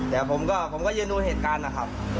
แต่ผมก็ยืนดูเหตุการณ์นะครับ